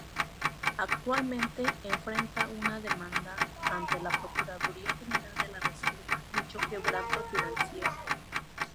Actualmente enfrenta una demanda ante la Procuraduría General de la República dicho quebranto financiero.